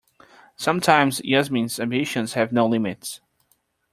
Sometimes Yasmin's ambitions have no limits.